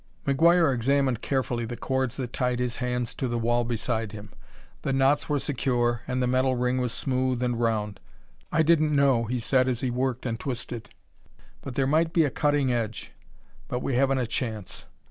McGuire examined carefully the cords that tied his hands to the wall beside him. The knots were secure, and the metal ring was smooth and round. "I didn't know," he said, as he worked and twisted, "but there might be a cutting edge, but we haven't a chance.